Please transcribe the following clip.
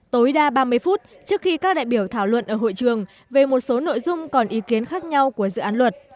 tối đa ba mươi phút trước khi các đại biểu thảo luận ở hội trường về một số nội dung còn ý kiến khác nhau của dự án luật